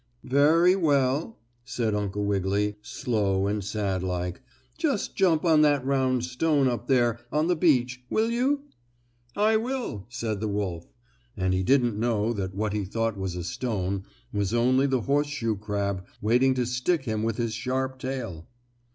"Very well," said Uncle Wiggily, slow and sad like, "just jump on that round stone up there on the beach, will you?" "I will," said the wolf, and he didn't know that what he thought was a stone was only the horseshoe crab waiting to stick him with his sharp tail.